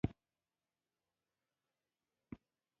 د هسپانیا تر استعمار لاندې بومي وګړي فاتحانو ته ډالۍ شول.